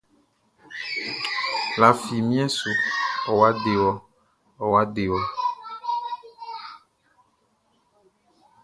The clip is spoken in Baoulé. Lafi mien su, ɔwa dewɔ, ɔwa dewɔ!